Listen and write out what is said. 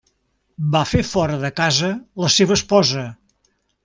Va fer fora de casa la seva esposa.